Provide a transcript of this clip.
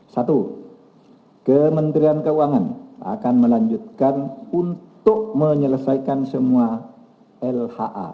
satu kementerian keuangan akan melanjutkan untuk menyelesaikan semua lha